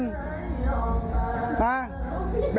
ครับ